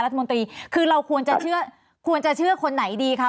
รัฐมนตรีคือเราควรจะเชื่อควรจะเชื่อคนไหนดีคะ